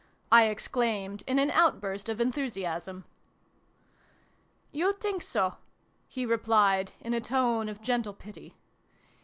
" I exclaimed in an outburst of enthusiasm. " You think so ?" he replied, in a tone of gentle pity.